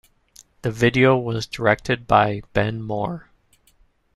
The video was directed by Ben Mor.